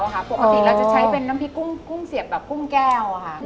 ปกติเราจะใช้เป็นน้ำพริกกุ้งเสียบแบบกุ้งแก้วค่ะ